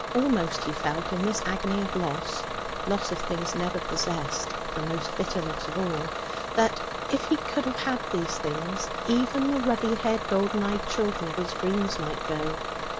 Almost he felt, in this agony of loss loss of things never possessed, the most bitter loss of all that, if he could have had these things, even the ruddy haired, golden eyed children of his dreams might go.